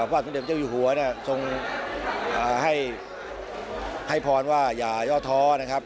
ว่าสมเด็จพระเจ้าอยู่หัวน่ะทรงให้ให้พรว่าอย่ายอดท้อนะครับ